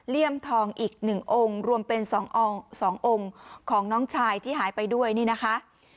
ทองอีก๑องค์รวมเป็น๒องค์ของน้องชายที่หายไปด้วยนี่นะคะ